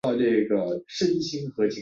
英殖民政府宣布全国进入紧急状态。